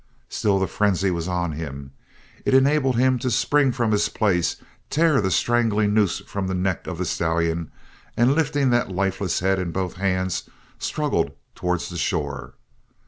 Still the frenzy was on him. It enabled him to spring from his place, tear the strangling noose from the neck of the stallion, and lifting that lifeless head in both hands struggle towards the shore.